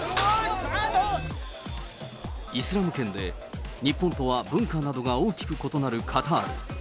イスラム圏で日本とは文化などが大きく異なるカタール。